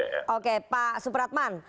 oke pak supratman